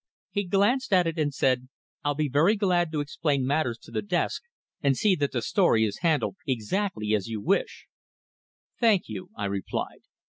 He glanced at it, and said, "I'll be very glad to explain matters to the desk, and see that the story is handled exactly as you wish." "Thank you," I replied.